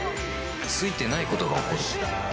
ついてないことが起こる